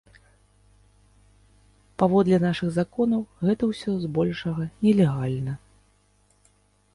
Паводле нашых законаў, гэта ўсё збольшага нелегальна.